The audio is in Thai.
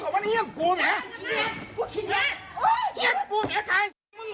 มีล่ะเดี๋ยวให้ป่าย